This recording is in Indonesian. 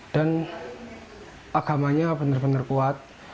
dan agamanya bener bener kuat